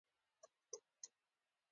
هغوی پاتې عمر په خوښۍ تیر کړ.